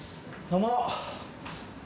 どうも。